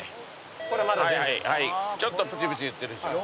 ちょっとプチプチいってる。